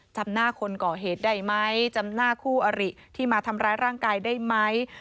จำหน้าคนก่อเหตุได้ไหมจำหน้าคู่อริที่มาทำร้ายร่างกายได้ไหม